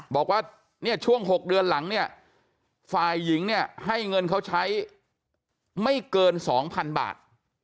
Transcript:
บอกว่าเนี่ยช่วง๖เดือนหลังเนี่ยฝ่ายหญิงเนี่ยให้เงินเขาใช้ไม่เกิน๒๐๐๐บาท